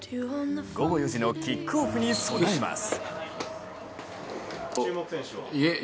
午後４時のキックオフに備えます。